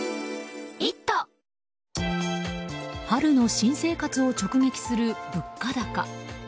春の新生活を直撃する物価高。